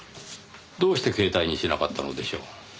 どうして携帯にしなかったのでしょう？